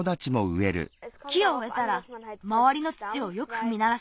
木をうえたらまわりの土をよくふみならす。